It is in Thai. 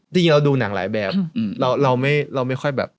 จริงเราดูหนังหลายแบบเราไม่ค่อยแบบ